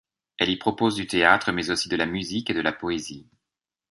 Elle y propose du théâtre, mais aussi de la musique et de la poésie.